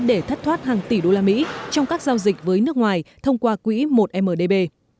để thất thoát hàng tỷ đô la mỹ trong các giao dịch với nước ngoài thông qua quỹ một mdb